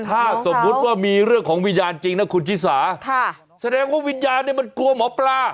ถ้าสมมุติว่ามีเรื่องของวิญญาณจริงนะคุณชิสาค่ะแสดงว่าวิญญาณเนี่ยมันกลัวหมอปลา